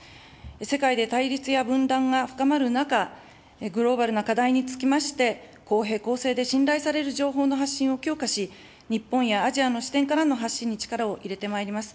世界で対立や分断が深まる中、グローバルな課題につきまして、公平・公正で信頼される情報の発信を強化し、日本やアジアの視点からの発信に力を入れてまいります。